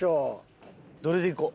どれでいこう？